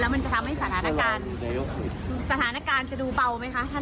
มันจะทำให้สถานการณ์สถานการณ์จะดูเบาไหมคะท่าน